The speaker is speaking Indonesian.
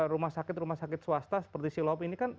rumah sakit rumah sakit swasta seperti silop ini kan